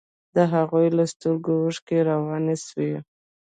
د هغوى له سترگو اوښکې روانې سوې.